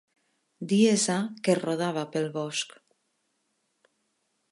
Dies ha que rodava pel bosc.